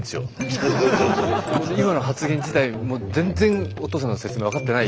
今の発言自体も全然おとうさんの説明分かってない。